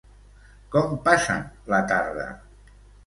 Com passen la tarda?